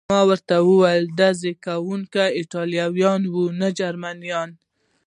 ما ورته وویل: ډزې کوونکي ایټالویان و، نه جرمنیان.